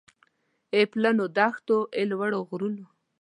اې پلنو دښتو اې لوړو غرونو